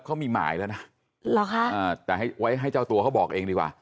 เขามีหมายแล้วนะเหรอคะอ่าแต่ให้ไว้ให้เจ้าตัวเขาบอกเองดีกว่า